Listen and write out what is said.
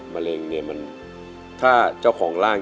มะเร็งถ้าเจ้าของร่าง